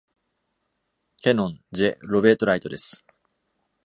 ケノン．ジェ．ロベートライトです。